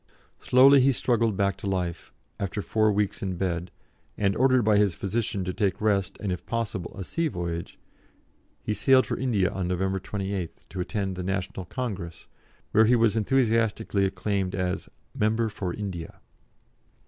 Slowly he struggled back to life, after four weeks in bed, and, ordered by his physician to take rest and if possible a sea voyage, he sailed for India on November 28th, to attend the National Congress, where he was enthusiastically acclaimed as "Member for India."